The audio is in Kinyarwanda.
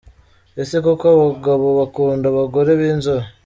Ese koko abagabo bakunda abagore b’inzobe